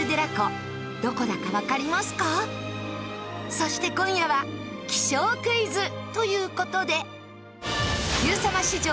そして今夜は気象クイズという事で。